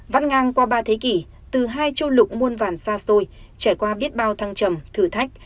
vãn ngang qua ba thế kỷ từ hai châu lục muôn vàn xa xôi trải qua biết bao thăng trầm thử thách